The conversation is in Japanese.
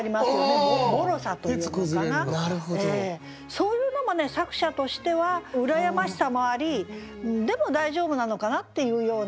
そういうのもね作者としては羨ましさもありでも大丈夫なのかなっていうようなそういう気持ちも。